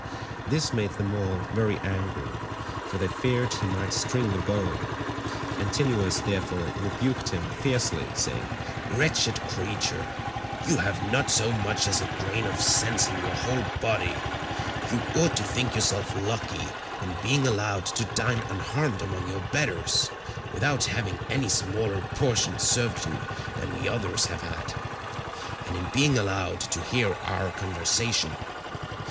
This made them all very angry, for they feared he might string the bow, Antinous therefore rebuked him fiercely saying, "Wretched creature, you have not so much as a grain of sense in your whole body; you ought to think yourself lucky in being allowed to dine unharmed among your betters, without having any smaller portion served you than we others have had, and in being allowed to hear our conversation.